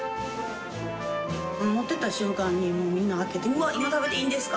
持って行った瞬間に、もうみんな、開けて、うわっ、今、食べていいんですか？